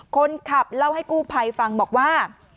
คนขับเล่าให้กู้ภัยฟังบอกว่า